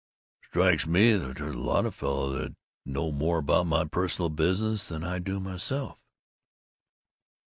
"Strikes me there's a lot of fellows that know more about my personal business than I do myself!"